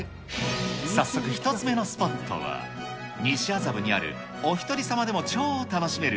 早速１つ目のスポットは、西麻布にあるおひとり様でも超楽しめる！